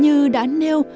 như đã nêu